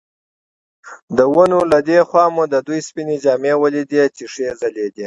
د ونو له دې خوا مو د دوی سپینې جامې ولیدلې چې ښې ځلېدې.